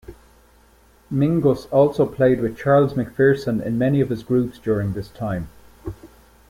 Mingus also played with Charles McPherson in many of his groups during this time.